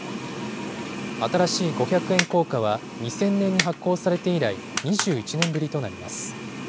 新しい五百円硬貨は、２０００年に発行されて以来、２１年ぶりとなります。